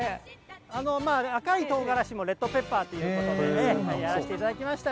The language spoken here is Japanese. あの、赤いとうがらしもレッドペッパーということで、やらせていただきました。